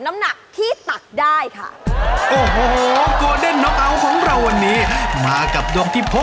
ขอให้ทั้งคู่โชคดี